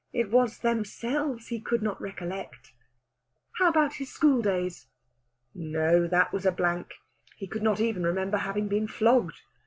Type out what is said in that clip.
It was themselves he could not recollect. How about his schooldays? No, that was a blank. He could not even remember having been flogged.